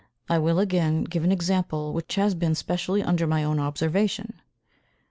I will again give an example which has been specially under my own observation.